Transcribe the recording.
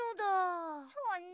そうね。